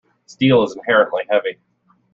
Steel is inherently heavy.